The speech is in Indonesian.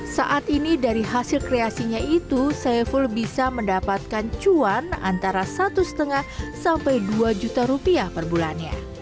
saat ini dari hasil kreasinya itu saiful bisa mendapatkan cuan antara satu lima sampai dua juta rupiah per bulannya